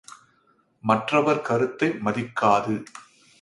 மற்றவர் கருத்தை மதிக்காது!